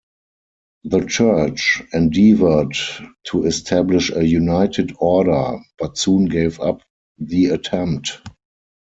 The church endeavored to establish a United Order, but soon gave up the attempt.